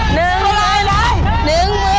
หนึ่งหมื่นหนึ่งหมื่น